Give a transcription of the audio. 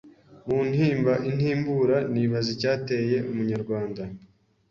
mu ntimba intimbura nibaza icyateye umunyarwanda